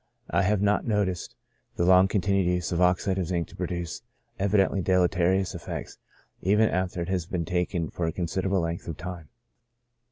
I have not noticed the long continued use of oxide of zinc to produce evidently deleterious effects, even after it has been taken for a considerable length of time.